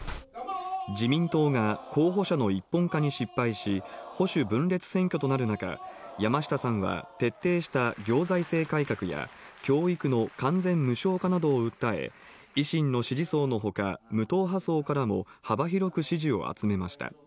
自民党が候補者の一本化に失敗し、保守分裂選挙となる中、山下さんは徹底した行財政改革や教育の完全無償化などを訴え、維新の支持層のほか、無党派層からも幅広く支持を集めました。